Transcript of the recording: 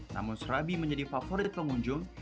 namun serabi menjadi favorit pengunjung